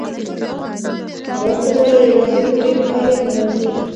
دا ښه والی یوازې په ډېر عاید نه راځي.